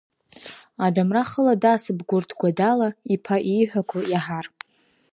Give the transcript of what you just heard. Адамра хыла дасып Гәырҭ Гәадала, иԥа ииҳәақәо иаҳар!